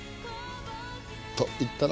と言ったな。